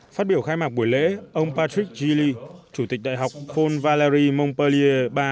phát biểu khai mạc buổi lễ ông patrick gilley chủ tịch đại học pont valais qui montpellier iii